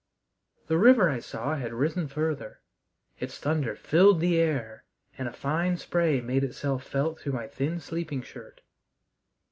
The river I saw had risen further. Its thunder filled the air, and a fine spray made itself felt through my thin sleeping shirt.